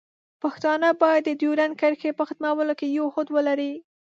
پښتانه باید د ډیورنډ کرښې په ختمولو کې یو هوډ ولري.